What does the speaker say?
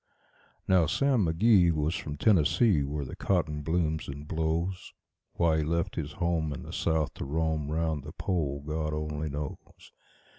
Now Sam McGee was from Tennessee, where the cotton blooms and blows. Why he left his home in the South to roam 'round the Pole, God only knows.